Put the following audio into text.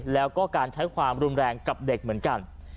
แล้วก็การใช้ความรุนแรงกับเด็กเหมือนกัน